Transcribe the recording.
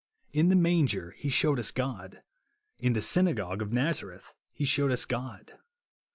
In the manger he shewed us God. In the synagogue of Nazareth he shewed us God.